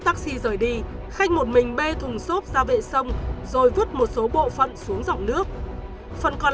taxi rời đi khanh một mình bê thùng xốp ra vệ sông rồi vứt một số bộ phận xuống dòng nước phần còn